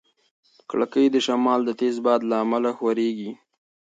کړکۍ د شمال د تېز باد له امله ښورېږي.